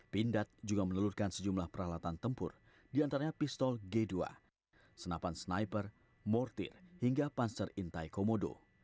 pindad juga menelurkan sejumlah peralatan tempur diantaranya pistol g dua senapan sniper mortir hingga panser intai komodo